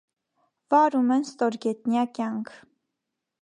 Վարում են ստորգետնյա կյանք։